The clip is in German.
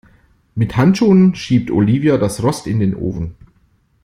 Mit Handschuhen schiebt Olivia das Rost in den Ofen.